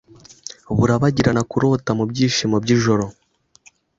burabagirana Kurota mubyishimo byijoro